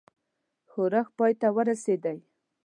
ښورښ پای ته ورسېدی.